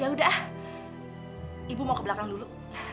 ya udah ah ibu mau ke belakang dulu